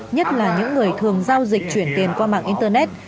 nhất là những người thường giao dịch chuyển tiền qua mạng internet